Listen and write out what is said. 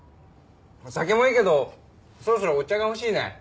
酒もいいけどそろそろお茶が欲しいね。